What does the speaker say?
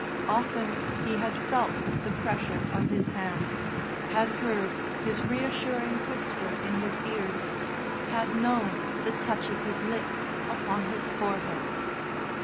Often he had felt the pressure of his hand, had heard his reassuring whisper in his ears, had known the touch of his lips upon his forehead.